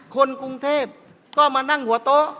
คนกรุงเทพก็มานั่งหัวโต๊ะ